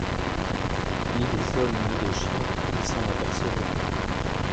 Ni les hommes ni les chiens ne s’en apercevaient.